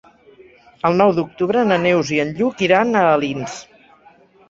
El nou d'octubre na Neus i en Lluc iran a Alins.